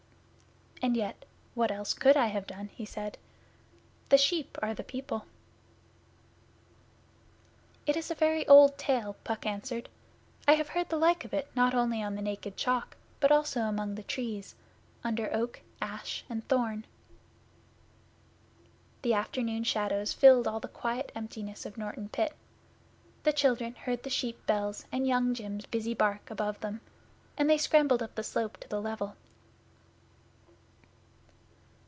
'And yet, what else could I have done?' he said. 'The sheep are the people.' 'It is a very old tale,' Puck answered. 'I have heard the like of it not only on the Naked Chalk, but also among the Trees under Oak, and Ash, and Thorn.' The afternoon shadows filled all the quiet emptiness of Norton Pit. The children heard the sheep bells and Young jim's busy bark above them, and they scrambled up the slope to the level.